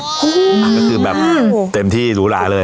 ก็คือแบบเต็มที่หรูหลาเลย